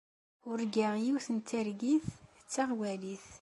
Urgaɣ yiwet n targit d taɣwalit.